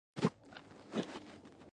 بلنټ وایي په دغه ورځو کې.